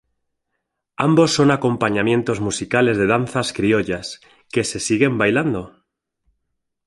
Ambos son acompañamientos musicales de danzas criollas, que se siguen bailando.